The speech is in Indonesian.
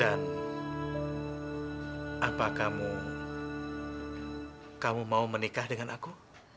dan apa kamu mau menikah dengan aku